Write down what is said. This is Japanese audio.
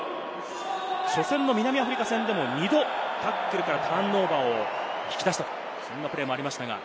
初戦の南アフリカ戦でも２度、タックルからターンオーバーを引き出したプレーもありました。